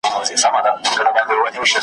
دا وطن دعقابانو .